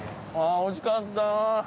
おいしかったー。